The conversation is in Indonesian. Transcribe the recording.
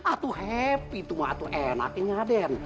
itu happy itu enak ya raden